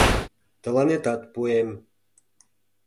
— Тыланетат пуэм.